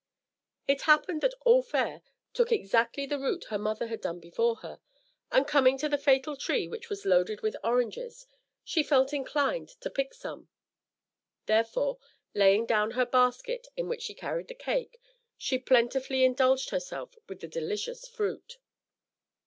It happened that All Fair took exactly the route her mother had done before her; and coming to the fatal tree which was loaded with oranges, she felt inclined to pick some; therefore, laying down her basket, in which she carried the cake, she plentifully indulged herself with the delicious fruit.